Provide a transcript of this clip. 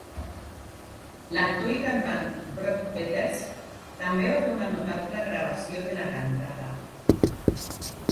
L'actor i cantant Brock Peters també va fer una notable gravació de la cantata.